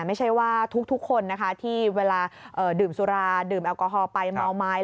ไม่ใช่ว่าทุกคนนะคะที่เวลาดื่มสุราดื่มแอลกอฮอลไปเมาไม้